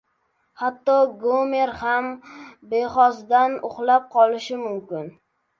• Hatto Gomer ham bexosdan uxlab qolishi mumkin.